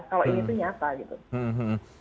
kalau ini itu nyata gitu